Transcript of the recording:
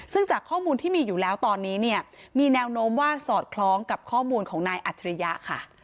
ซึ่งจากข้อมูลที่มีอยู่แล้วตอนนี้เนี่ยมีแนวโน้มว่าสอดคล้องกับข้อมูลของนายอัจฉริยะค่ะ